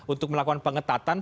untuk melakukan pengetatan